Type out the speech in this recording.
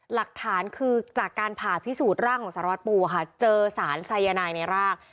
หลักฐานคือจากการผ่าพิสูจน์ร่างของสารวัตรปูค่ะเจอสารสายนายในร่าง